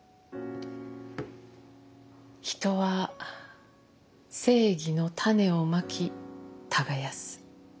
人は正義の種をまき耕す。